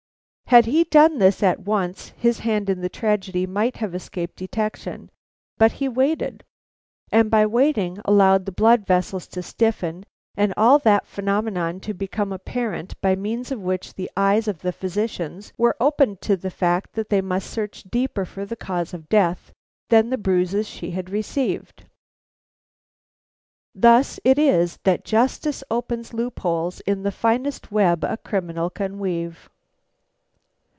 Had he done this at once his hand in the tragedy might have escaped detection, but he waited, and by waiting allowed the blood vessels to stiffen and all that phenomena to become apparent by means of which the eyes of the physicians were opened to the fact that they must search deeper for the cause of death than the bruises she had received. Thus it is that Justice opens loop holes in the finest web a criminal can weave."